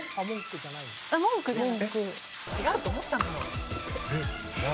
違うと思ったんだよ。